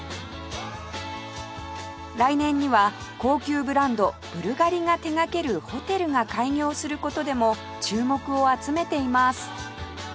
来年には高級ブランドブルガリが手掛けるホテルが開業する事でも注目を集めています